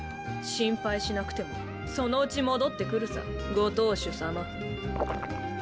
心配しなくてもそのうち戻ってくるさご当主様あぁ。